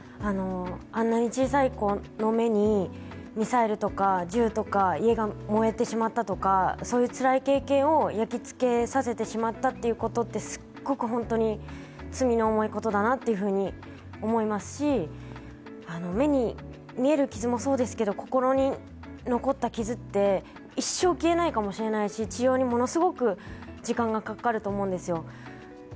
あんなに小さい子の目にミサイルとか銃とか家が燃えてしまったとか、そういうつらい経験を焼き付けさせてしまったっていうことってすっごく本当に罪の重いことだなっていうふうに思いますし、目に見える傷もそうですけど心に残った傷って一生消えないかもしれないし、治療にものすごく時間がかかると思うんですよ。